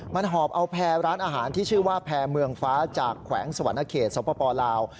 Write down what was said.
มันหอบเอาแพร่ร้านอาหารที่ชื่อว่าแพร่เมืองฟ้าจากแขวงสวรรณเขตสปลาว